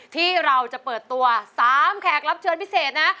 ที่เราจะเปิดตัว๓แขกรับเชิญพิเศษนะ